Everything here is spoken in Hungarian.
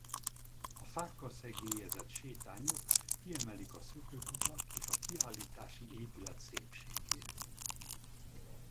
A fákkal szegélyezett sétányok kiemelik a szökőkutak és a Kiállítási Épület szépségét.